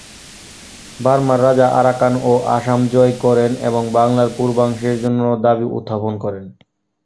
বার্মার রাজা আরাকান ও আসাম জয় করেন এবং বাংলার পূর্বাংশের জন্য দাবি উত্থাপন করেন।